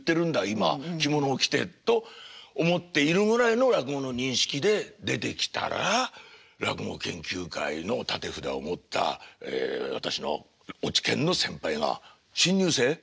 今着物を着てと思っているぐらいの落語の認識で出てきたら落語研究会の立て札を持った私の落研の先輩が「新入生？